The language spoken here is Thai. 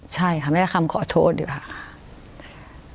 ใช่ค่ะไม่ได้คำขอโทษหรือค่ะ